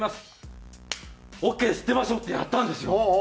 オーケーです出ましょうってなったんですよ。